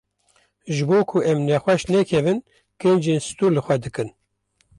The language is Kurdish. Ji bo ku em nexweş nekevin, kincên stûr li xwe dikin.